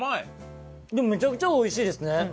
でもめちゃくちゃおいしいですね。